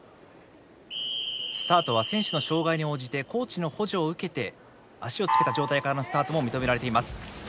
スタートは選手の障害に応じてコーチの補助を受けて足を着けた状態からのスタートも認められています。